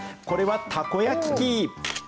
これはたこ焼き器。